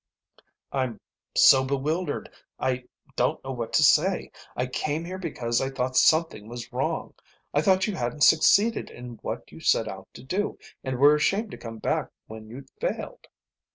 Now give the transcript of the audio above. "I'm so bewildered, I don't know what to say. I came here because I thought something was wrong. I thought you hadn't succeeded in what you set out to do and were ashamed to come back when you'd failed.